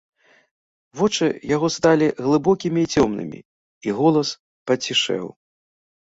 Вочы яго сталі глыбокімі і цёмнымі, і голас пацішэў.